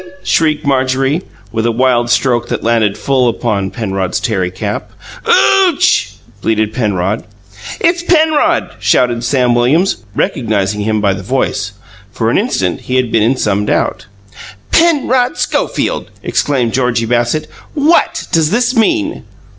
shrieked Marjorie, with a wild stroke that landed full upon Penrod's tarry cap. "OOOCH!" bleated Penrod. "It's Penrod!" shouted Sam Williams, recognizing him by the voice. For an instant he had been in some doubt. "Penrod Schofield!" exclaimed Georgie Bassett. "WHAT does this mean?"